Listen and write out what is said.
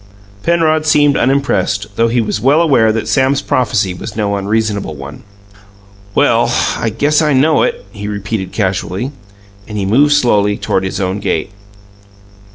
Penrod seemed unimpressed, though he was well aware that Sam's prophecy was no unreasonable one. "Well, I guess I know it," he repeated casually. And he moved slowly toward his own gate.